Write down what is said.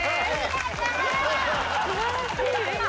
素晴らしい演技。